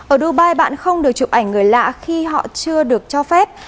ở dubai bạn không được chụp ảnh người lạ khi họ chưa được cho phép